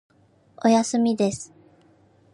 おやすみです。